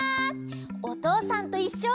「おとうさんといっしょ」